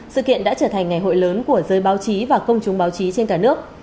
sự kiện đã trở thành ngày hội lớn của giới báo chí và công chúng báo chí trên cả nước